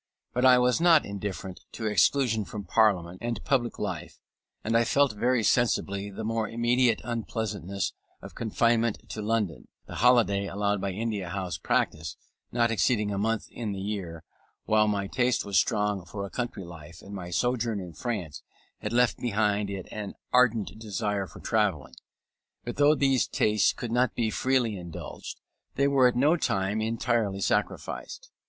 But I was not indifferent to exclusion from Parliament, and public life: and I felt very sensibly the more immediate unpleasantness of confinement to London; the holiday allowed by India House practice not exceeding a month in the year, while my taste was strong for a country life, and my sojourn in France had left behind it an ardent desire of travelling. But though these tastes could not be freely indulged, they were at no time entirely sacrificed.